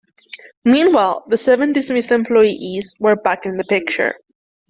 Meanwhile, the seven dismissed employees were back in the picture.